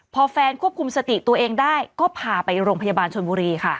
พอแฟนควบคุมสติตัวเองได้ก็พาไปโรงพยาบาลชนบุรีค่ะ